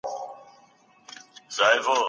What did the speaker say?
انسان د ډیرو مخلوقاتو په منځ کي عزت ګټلی دی.